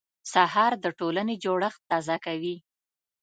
سهار د ټولنې جوړښت تازه کوي.